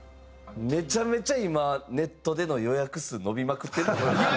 めちゃめちゃ今ネットでの予約数伸びまくってると思いますよ。